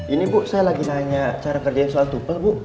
ini bu saya lagi nanya cara kerjain soal tupel bu